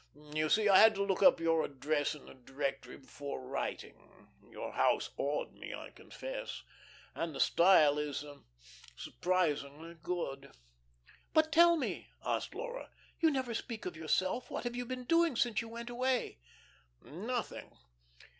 You see, I had to look up your address in the directory before writing. Your house awed me, I confess, and the style is surprisingly good." "But tell me," asked Laura, "you never speak of yourself, what have you been doing since you went away?" "Nothing.